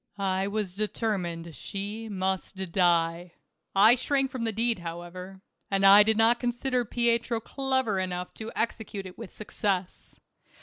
1 was determined she must die. I shrank from the deed, however, and I did not consider Pietro clever enough to execute it with success.